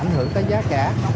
ảnh hưởng tới giá cả